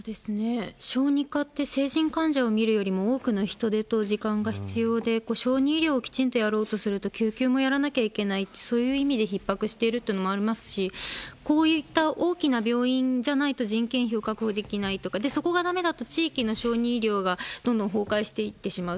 小児科って、成人患者を見るよりも多くの人手と時間が必要で、小児医療をきちんとやろうとすると、救急もやらなきゃいけない、そういう意味でひっ迫しているっていうのもありますし、こういった大きな病院じゃないと、人件費を確保できないとか、そこがだめだと、地域の小児医療がどんどん崩壊していってしまう。